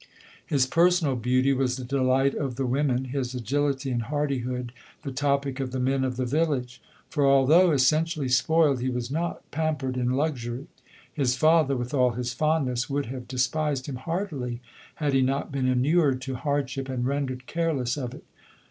His personal beauty was the delight of the wo men, his agility and hardihood the topic of the men of the village. For although essen tially spoiled, he was not pampered in luxury. His father, with all his fondness, would hav< despised him heartily had he not been inured to hardship, and rendered careless of it.